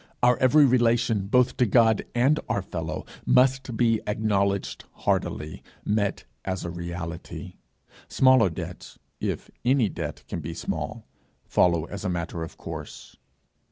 Our every relation, both to God and our fellow, must be acknowledged heartily, met as a reality. Smaller debts, if any debt can be small, follow as a matter of course.